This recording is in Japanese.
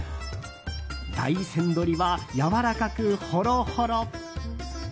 大山鶏はやわらかく、ほろほろ。